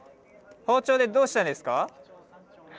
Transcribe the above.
包丁でどうしたんですか？